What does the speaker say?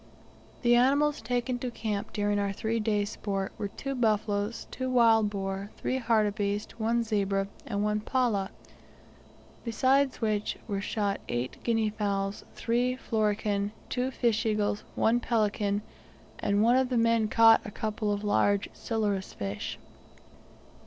The animals taken to camp during our three days' sport were two buffaloes, two wild boar, three hartebeest, one zebra, and one pallah; besides which, were shot eight guinea fowls, three florican, two fish eagles, one pelican, and one of the men caught a couple of large silurus fish.